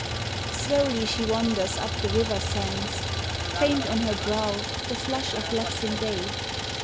Slowly she wanders up the river sands, Faint on her brow the flush of lapsing day.